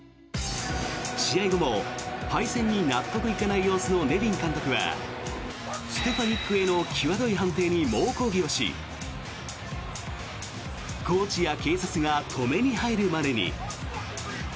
試合後も敗戦に納得いかない様子のネビン監督はステファニックへの際どい判定に猛抗議をしコーチや警察が止めに入るまでに。